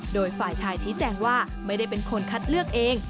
โดยฝ่ายชายชี้แจงว่าไม่ได้เป็นคนคัดเลือกเอง